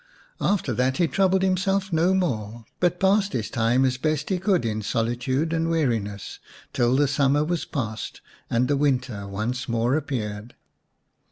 After that he troubled himself no more, but passed his time as best he could in solitude and weariness till the summer was past and the winter once more appeared.